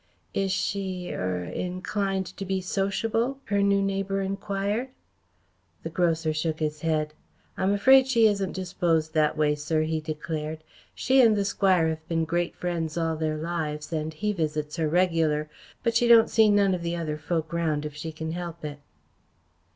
"Is she er inclined to be sociable?" her new neighbour enquired. The grocer shook his head. "I'm afraid she isn't disposed that way, sir," he declared. "She and the Squire have been great friends all their lives, and he visits her regular, but she don't see none of the other folk round if she can help it."